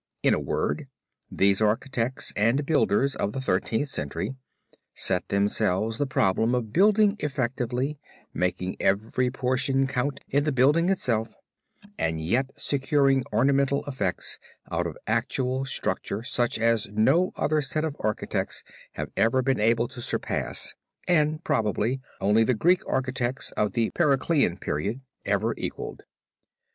In a word, these architects and builders, of the Thirteenth Century, set themselves the problem of building effectively, making every portion count in the building itself, and yet, securing ornamental effects out of actual structure such as no other set of architects have ever been able to surpass, and, probably, only the Greek architects of the Periclean period ever equaled.